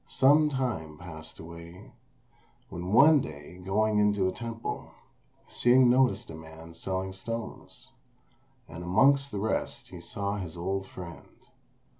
Some time passed away, when one day going into a temple Hsing noticed a man selling stones, and amongst the rest he saw his old friend.